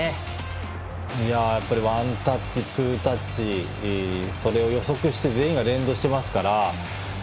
ワンタッチ、ツータッチそれを予測して全員が連動していますから。